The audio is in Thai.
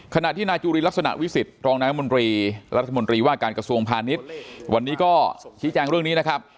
ขณะที่นายจุลินลักษณะวิสิทธิรองนายรัฐมนตรีรัฐมนตรีว่าการกระทรวงพาณิชย์วันนี้ก็ชี้แจงเรื่องนี้นะครับ